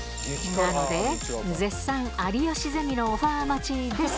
なので絶賛『有吉ゼミ』のオファー待ちです